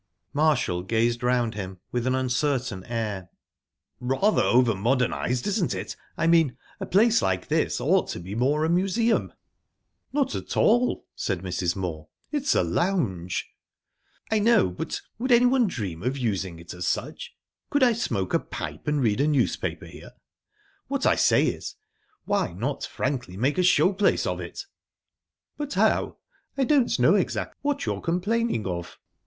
_ Marshall gazed around him with an uncertain air. "Rather over modernised, isn't it? I mean, a place like this ought to be more a museum." "Not at all," said Mrs. Moor. "It's a lounge." "I know but would anyone dream of using it as such? Could I smoke a pipe and read a newspaper here? What I say is, why not frankly make a show place of it?" "But how? I don't know exactly what you're complaining of."